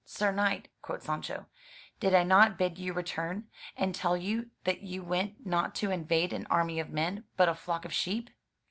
*'Sir Knight," quote Sancho, '*did not I bid you return, and tell you that you went not to invade an army of men, but a flock of sheep?'